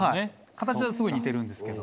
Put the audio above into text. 形はすごい似てるんですけど。